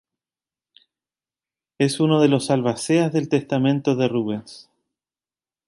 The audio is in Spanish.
Es uno de los albaceas del testamento de Rubens.